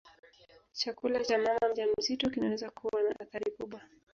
chakula cha mama mjamzito kinaweza kuwa na athari kubwa